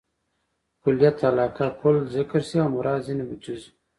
کلیت علاقه؛ کل ذکر سي او مراد ځني جز يي.